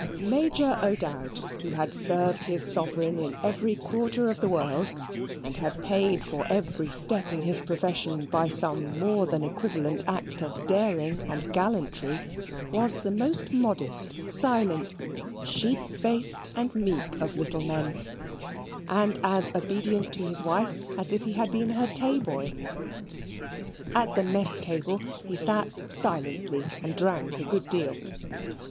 Major O'Dowd, who had served his sovereign in every quarter of the world, and had paid for every step in his profession by some more than equivalent act of daring and gallantry, was the most modest, silent, sheep faced and meek of little men, and as obedient to his wife as if he had been her tay boy. At the mess table he sat silently, and drank a great deal.